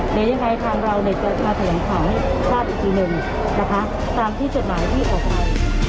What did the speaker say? ในยังไงทางเราเนี่ยจะมาเสริมข่าวให้ชาติอีกทีนึงนะคะตามที่จดหมายที่ออกไป